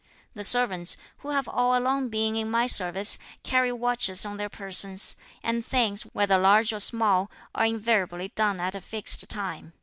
The servants, who have all along been in my service, carry watches on their persons, and things, whether large or small, are invariably done at a fixed time.